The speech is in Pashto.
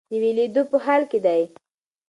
د ویلیدو په حال کې دی.